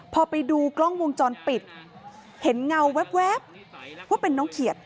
พอไปดูกล้องวงจรปิดเห็นเงาแว๊บว่าเป็นน้องเขียด